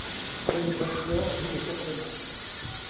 Johnny Buchler joue les quatre matchs.